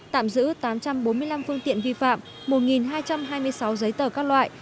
tạm giữ tám trăm bốn mươi năm phương tiện vi phạm một hai trăm hai mươi sáu giấy tờ các loại